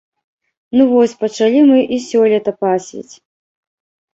Ну вось, пачалі мы і сёлета пасвіць.